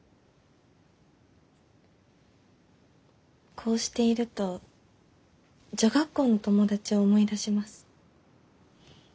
こうしていると女学校の友達を思い出します。